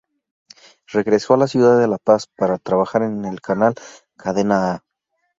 Regresó a la ciudad de La Paz para trabajar en el canal "Cadena A".